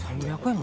３００円。